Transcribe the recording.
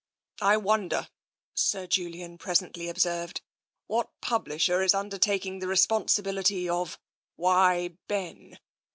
*' I wonder," Sir Julian presently observed, " what publisher is undertaking the responsibility of ' Why, Ben